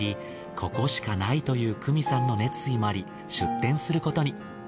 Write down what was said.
ここしかないという久美さんの熱意もあり出店することに。